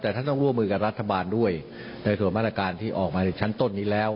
แต่ท่านต้องร่วมมือกับรัฐบาลด้วยในส่วนมาตรการที่ออกมาในชั้นต้นนี้แล้ว